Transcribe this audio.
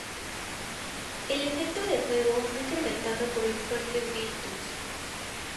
El efecto del fuego fue incrementado por los fuertes vientos.